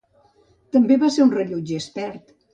També va ser un rellotger expert.